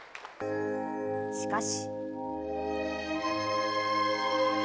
しかし。